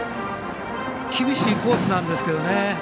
厳しいコースですけどね。